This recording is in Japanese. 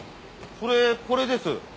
それこれです。